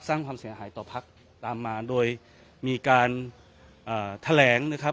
สร้างความเสียหายต่อพักตามมาโดยมีการแถลงนะครับ